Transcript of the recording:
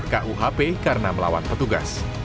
empat kuhp karena melawan petugas